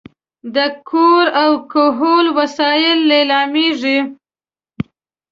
د کور او کهول وسایل لیلامېږي.